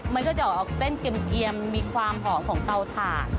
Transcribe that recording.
มันก็จะออกเส้นเกียมมีความหอมของเตาถ่าน